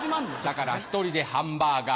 だから１人でハンバーガー。